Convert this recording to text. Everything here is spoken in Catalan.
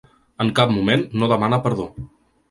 En cap moment no demana perdó.